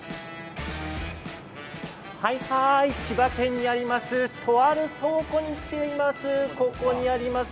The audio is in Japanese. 千葉県にありますとある倉庫に来ています。